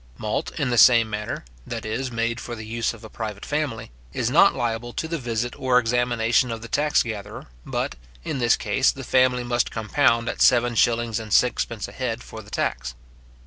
Malt, in the same manner, that is made for the use of a private family, is not liable to the visit or examination of the tax gatherer but, in this case the family must compound at seven shillings and sixpence a head for the tax.